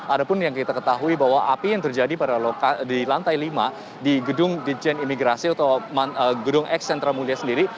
ada pun yang kita ketahui bahwa api yang terjadi di lantai lima di gedung dijen imigrasi atau gedung x centra mulia sendiri